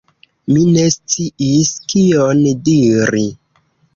Mi ne sciis, kion diri.